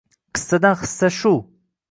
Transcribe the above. «Qissadan hissa» shu.